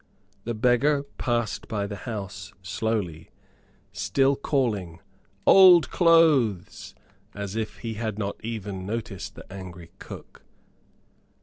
The beggar passed by the house slowly, still calling "old clothes," as if he had not even noticed the angry cook.